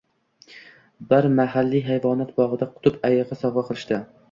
Bir mahalliy hayvonot bogʻiga qutb ayigʻi sovgʻa qilishdi